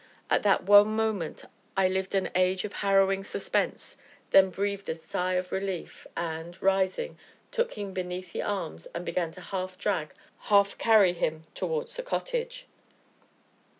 In that one moment I lived an age of harrowing suspense, then breathed a sigh of relief, and, rising, took him beneath the arms and began to half drag, half carry him towards the cottage.